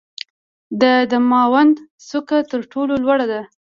د دماوند څوکه تر ټولو لوړه ده.